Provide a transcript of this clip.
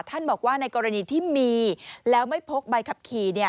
บอกว่าในกรณีที่มีแล้วไม่พกใบขับขี่